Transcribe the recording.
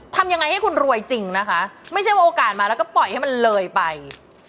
ทำยังไงให้คุณรวยจริงนะคะไม่ใช่ว่าโอกาสมาแล้วก็ปล่อยให้มันเลยไป